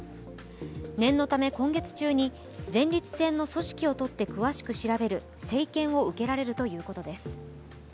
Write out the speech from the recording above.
念のため今月中に前立腺の組織を取って詳しく調べる生検を受けられるということです。